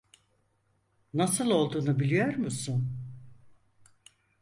Nasıl olduğunu biliyor musun?